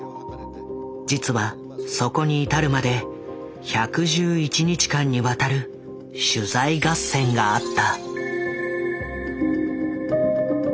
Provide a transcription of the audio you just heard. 実はそこに至るまで１１１日間にわたる取材合戦があった。